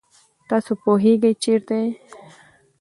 تاسو پوهېږئ چېرته یئ؟